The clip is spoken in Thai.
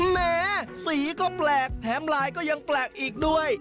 แหมสีก็แปลกแถมลายก็ยังแปลกอีกด้วย